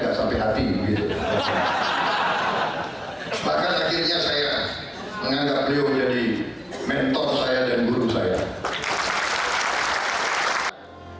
bahkan akhirnya saya mengantar beliau menjadi mentor saya dan guru saya